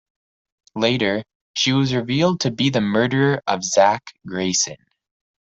Later, she was revealed to be the murderer of Zack Grayson.